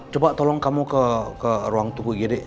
coba tolong kamu ke ruang tukugi deh